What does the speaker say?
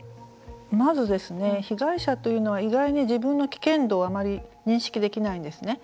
まず、被害者というのは意外に自分の危険度をあまり認識できないんですね。